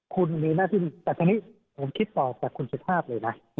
คุณมีหน้าที่แต่ทีนี้ผมคิดต่อจากคุณสุภาพเลยนะ